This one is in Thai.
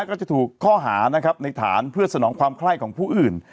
ก็จะถูกข้อหานะครับในฐานเพื่อสนองความไข้ของผู้อื่น